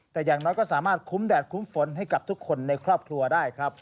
แต่อย่างน้อยก็สามารถคุ้มแดดคุ้มฝนให้กับทุกคนในครอบครัวได้ครับ